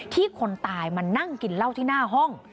คนตายมานั่งกินเหล้าที่หน้าห้อง